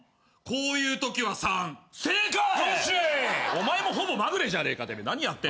お前もほぼまぐれじゃねえか何やってんだよ。